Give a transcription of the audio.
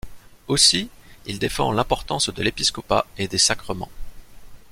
Aussi, il défend l'importance de l'épiscopat et des sacrements.